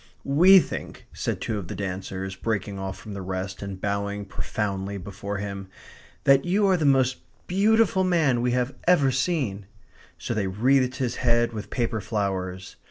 "We think," said two of the dancers, breaking off from the rest, and bowing profoundly before him, "that you are the most beautiful man we have ever seen." So they wreathed his head with paper flowers.